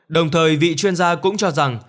đồng thời vị chuyên gia cũng cho rằng